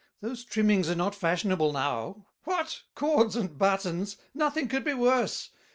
Those trimmings are not fashionable now. What! cords and buttons? Nothing could be worse.